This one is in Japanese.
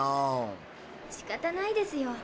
しかたないですよ。